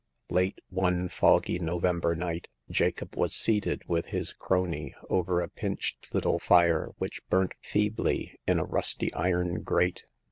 Late one foggy November night Jacob was The Coming of Hagar. il seated with his crony over a pinched little fire which burnt feebly in a rusty iron grate.